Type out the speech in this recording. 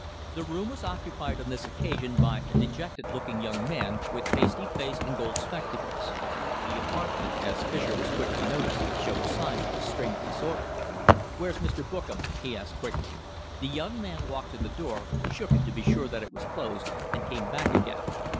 The room was occupied on this occasion by a dejected looking young man, with pasty face and gold spectacles. The apartment, as Fischer was quick to notice, showed signs of a strange disorder. "Where's Mr. Bookam?" he asked quickly. The young man walked to the door, shook it to be sure that it was closed, and came back again.